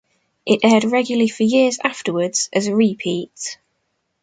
It aired regularly for years afterwards as repeats.